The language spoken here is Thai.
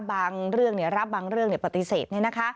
บางเรื่องรับบางเรื่องปฏิเสธ